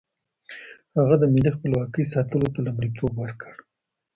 هغه د ملي خپلواکۍ ساتلو ته لومړیتوب ورکړ.